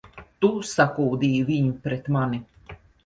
Tu sakūdīji viņu pret mani!